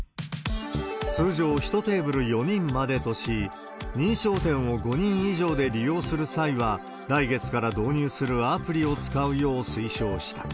通常、１テーブル４人までとし、認証店を５人以上で利用する際は、来月から導入するアプリを使うよう推奨した。